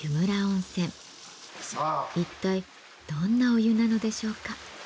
一体どんなお湯なのでしょうか？